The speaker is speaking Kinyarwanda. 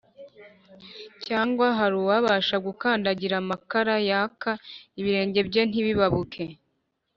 cyangwa hari uwabasha gukandagira amakara yaka, ibirenge bye ntibibabuke’